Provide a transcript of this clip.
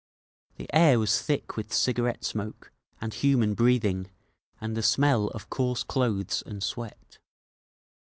The air was thick with cigarette smoke, and human breathing, and the smell of coarse clothes and sweat.